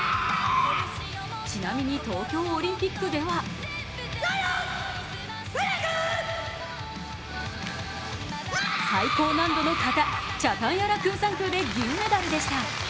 ちなみに東京オリンピックでは最高難度の形チャタンヤラクーサンクーで銀メダルでした。